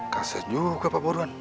kasian juga pak burhan